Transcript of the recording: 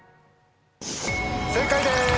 正解です。